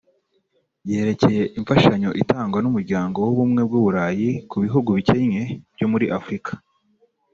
yerekeye imfashanyo itangwa n’umuryango w’ubumwe bw’Uburayi ku bihugu bikennye byo muri Afurika